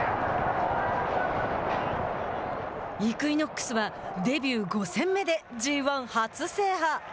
イクイノックスデビュー５戦目でＧ１初制覇。